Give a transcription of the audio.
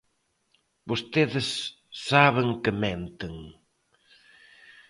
Vostedes saben que menten.